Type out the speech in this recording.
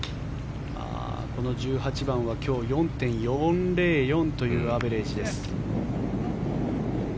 この１８番は今日４．４０４というアベレージです。